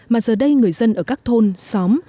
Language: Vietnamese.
mà giờ đây người dân ở các thôn xóm